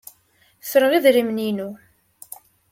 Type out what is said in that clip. Ffreɣ idrimen-inu.